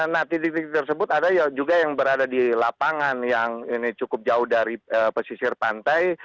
nah titik titik tersebut ada juga yang berada di lapangan yang ini cukup jauh dari pesisir pantai